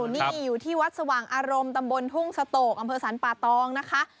นี่อยู่ที่วัดสว่างอารมณ์ตำบลทุ่งสโตกอำเภอสรรป่าตองนะคะ